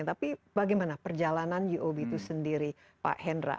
tapi bagaimana perjalanan uob itu sendiri pak hendra